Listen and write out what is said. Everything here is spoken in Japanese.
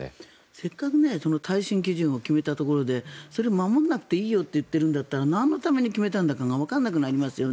せっかく耐震基準を決めたところでそれを守らなくていいよと言っているんだったらなんのために決めたのかわからなくなりますよね。